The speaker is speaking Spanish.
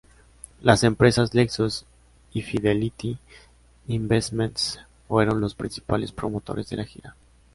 Las empresas Lexus y Fidelity Investments fueron los principales promotores de la gira.